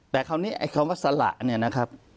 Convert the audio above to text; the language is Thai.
แต่คราวนี้ไอ้คำว่าสละเนี่ยนะครับ